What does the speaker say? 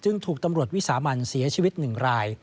ซึ่งถูกตำรวจวิสามัญเสียชีวิตหนึ่งราย